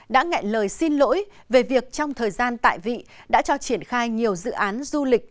đã ngại lời xin lỗi về việc trong thời gian tại vị đã cho triển khai nhiều dự án du lịch